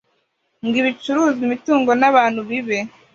ngo ibicuruzwa imitungo n abantu bibe